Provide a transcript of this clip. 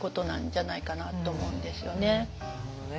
なるほどね。